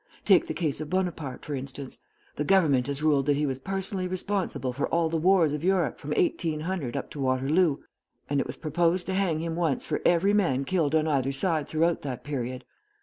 Take the case of Bonaparte, for instance: the government has ruled that he was personally responsible for all the wars of Europe from 1800 up to Waterloo, and it was proposed to hang him once for every man killed on either side throughout that period.